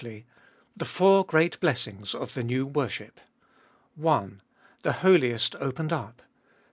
The four great Blessings of the new worship : 1. The Holiest opened up.